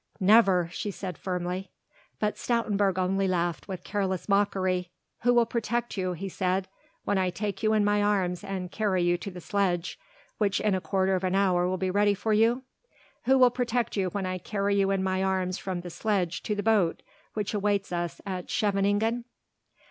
"Never!" she said firmly. But Stoutenburg only laughed with careless mockery. "Who will protect you?" he said, "when I take you in my arms and carry you to the sledge, which in a quarter of an hour will be ready for you? Who will protect you when I carry you in my arms from the sledge to the boat which awaits us at Scheveningen?"